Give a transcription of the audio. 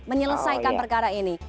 menyelesaikan perkara ini